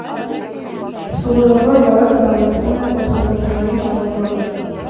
Սովորաբար վարակը տարածվում է օդակաթիլային ճանապարհով։